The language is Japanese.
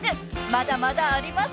［まだまだあります］